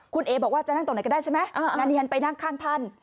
คุณเอ๋บอกว่าจะนั่งตรงไหนก็ได้ใช่ไหมงานที่ฉันไปนั่งข้างท่าน